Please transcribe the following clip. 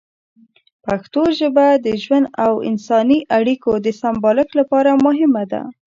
پښتو ژبه د ژوند او انساني اړیکو د سمبالښت لپاره مهمه ده.